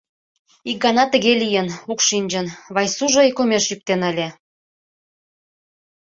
Ик гана тыге лийын — укшинчын, Вайсужо ӧкымеш йӱктен ыле.